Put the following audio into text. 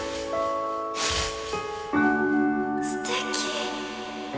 すてき！